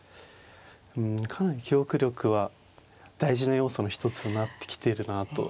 うんかなり記憶力は大事な要素の一つとなってきているなと感じますね。